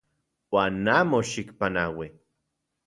Uan amo xikpanaui.